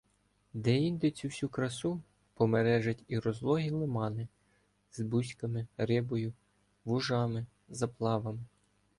Деінде цю всю красу – помережать і розлогі лимани, з бузьками, рибою, вужами, заплавами